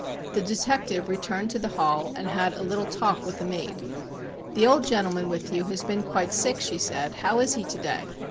The detective returned to the hall and had a little talk with the maid. "The old gentleman with you has been quite sick," she said. "How is he to day?"